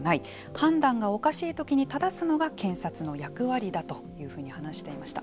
判断がおかしいときに正すのが検察の役割だというふうに話していました。